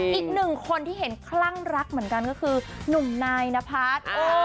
อีกหนึ่งคนที่เห็นคลั่งรักเหมือนกันก็คือหนุ่มนายนพัฒน์